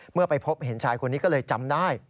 ไปพบเห็นชายคนนี้ก็เลยจำได้